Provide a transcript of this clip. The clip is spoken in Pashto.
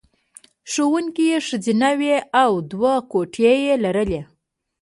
ښوونکې یې ښځینه وې او دوه کوټې یې لرلې